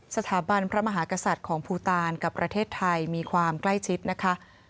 สถาบันพระมหากษัตริย์ของภูตานกับประเทศไทยมีความใกล้ชิดนะคะ